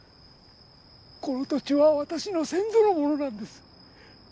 この土地は私の先祖のものなんです。